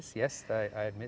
saya sangat berhati hati